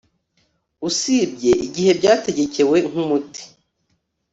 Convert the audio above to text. usibye igihe byategetswe nkumuti